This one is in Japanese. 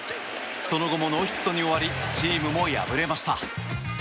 その後もノーヒットに終わりチームも敗れました。